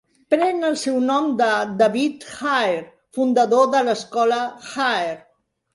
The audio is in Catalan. Pren el seu nom de David Hare, fundador de l'escola Hare.